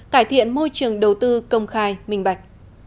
cải thiện môi trường đầu tư công khai minh bạch